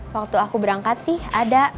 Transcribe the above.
waktu aku berangkat sih ada